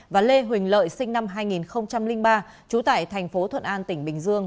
và lê huỳnh lợi sinh năm hai nghìn ba chú tại tp thuận an tỉnh bình dương